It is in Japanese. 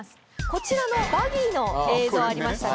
こちらのバギーの映像ありましたね。